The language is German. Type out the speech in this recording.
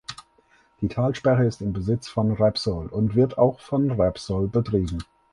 Die Talsperre ist im Besitz von Repsol und wird auch von Repsol betrieben.